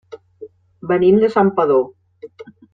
Venim de Santpedor.